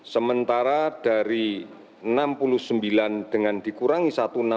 sementara dari enam puluh sembilan dengan dikurangi satu ratus enam puluh